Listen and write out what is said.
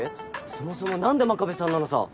そもそも何で真壁さんなのさ。